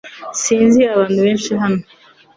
Sinzi abantu benshi hano